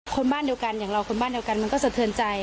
คนบ้านเดียวกันอย่างเราคนบ้านเดียวกันมันก็สะเทือนใจ